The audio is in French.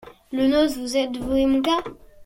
Ie n’ose vous advouer mon cas !...